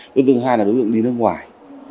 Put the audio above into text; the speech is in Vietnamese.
đối tượng thứ hai là đối tượng đi nước ngoài